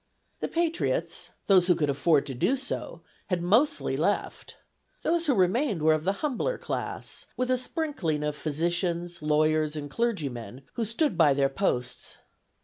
The patriots, those who could afford to do so, had mostly left. Those who remained were of the humbler class, with a sprinkling of physicians, lawyers, and clergymen, who stood by their posts.